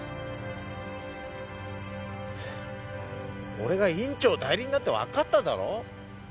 俺が院長代理になってわかっただろ？え？